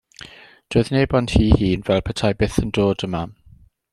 Doedd neb ond hi'i hun fel petai byth yn dod yma.